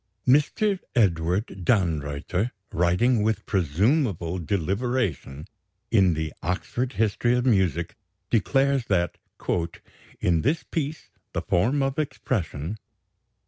Mr. Edward Dannreuther, writing, with presumable deliberation, in the "Oxford History of Music," declares that "in this piece the form of expression